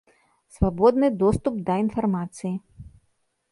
Свабодны доступ да інфармацыі.